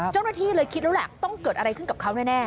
เจ้าหน้าที่เลยคิดแล้วแหละต้องเกิดอะไรขึ้นกับเขาแน่